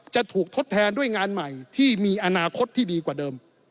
จะถูกทดแทนด้วยงานใหม่ที่มีอนาคตที่ดีกว่าเดิม